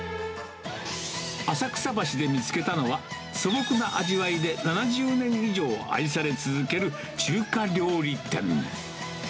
浅草橋で見つけたのは、素朴な味わいで７０年以上愛され続ける中華料理店。